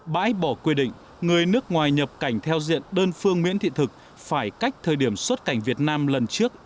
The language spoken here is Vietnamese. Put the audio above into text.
bãi bỏ quy định người nước ngoài nhập cảnh theo diện đơn phương miễn thị thực phải cách thời điểm xuất cảnh việt nam lần trước